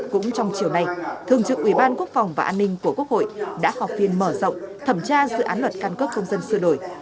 cũng trong chiều nay thường trực ủy ban quốc phòng và an ninh của quốc hội đã họp phiên mở rộng thẩm tra dự án luật căn cước công dân sửa đổi